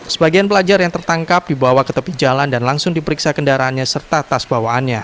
sebagian pelajar yang tertangkap dibawa ke tepi jalan dan langsung diperiksa kendaraannya serta tas bawaannya